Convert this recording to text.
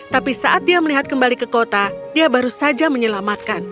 tapi saat dia melihat kembali ke kota dia baru saja menyelamatkan